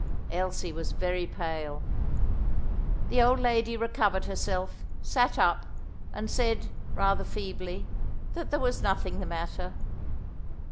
Elsie was very pale. The old lady recovered herself, sat up, and said, rather feebly, that there was nothing the matter.